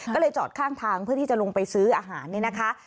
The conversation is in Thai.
ก็เลยจอดข้างทางเพื่อที่จะลงไปซื้ออาหารเนี่ยนะคะ